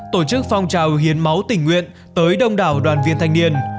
tổ chức phong trào hiến máu tình nguyện tới đông đảo đoàn viên thanh niên